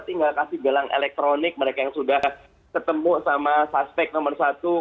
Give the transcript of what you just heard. tinggal kasih gelang elektronik mereka yang sudah ketemu sama suspek nomor satu dua tiga